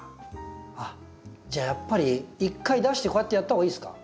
あっじゃあやっぱり一回出してこうやってやった方がいいですか？